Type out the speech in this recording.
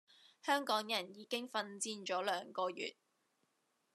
香港人已經奮戰咗兩個月